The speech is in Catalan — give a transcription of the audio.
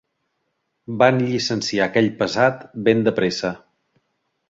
Van llicenciar aquell pesat ben de pressa.